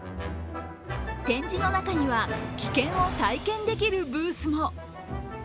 展示の中には危険を体験できるブースも。